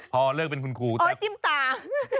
พอเลิกเป็นคุณครูอ๋อจิ้มตา